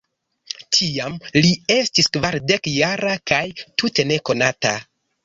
Tiam li estis kvardek-jara kaj tute nekonata.